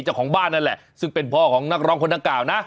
เจ้าของบ้านนั่นแหละซึ่งเป็นพ่อของนักร้องคนดังกล่าวนะ